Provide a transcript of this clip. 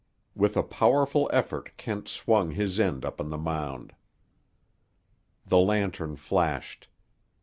With a powerful effort Kent swung his end up on the mound. The lantern flashed.